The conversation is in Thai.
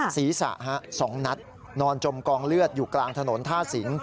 ศีรษะ๒นัดนอนจมกองเลือดอยู่กลางถนนท่าสิง